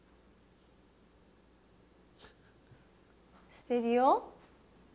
捨てるよ。